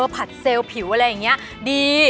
ผัดเซลล์ผิวอะไรอย่างนี้ดี